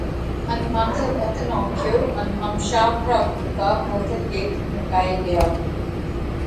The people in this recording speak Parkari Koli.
ان ماٿئہ ڀت نوکيو ان هم شاک را ڀُوڪا ڀت هيٺ ڍڪائي ڳيا۔